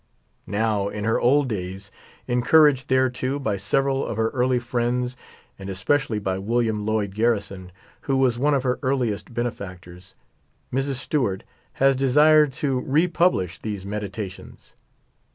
Now in her old days, encouraged thereto by several of her early friends, and especially by William Lloyd Gar rison, who was one of lier earliest benefactors, Mrs. Stew art has desired to republish these '• Meditations."